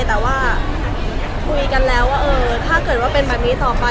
แต่ว่าคุยกันแล้วว่าถ้าเกิดว่าเป็นแบบนี้ต่อไป